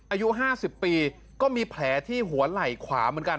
อายุ๕๐ปีก็มีแผลที่หัวไหล่ขวาเหมือนกัน